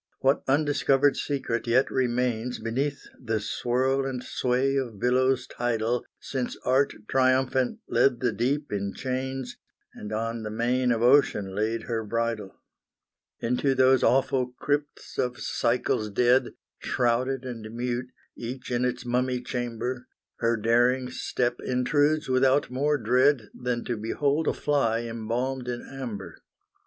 What undiscovered secret yet remains Beneath the swirl and sway of billows tidal, Since Art triumphant led the deep in chains, And on the mane of ocean laid her bridle. Into those awful crypts of cycles dead, Shrouded and mute, each in its mummy chamber, Her daring step intrudes without more dread Than to behold a fly embalmed in amber.